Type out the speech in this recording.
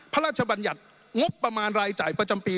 พระราชบัญญัติงบประมาณรายจ่ายประจำปี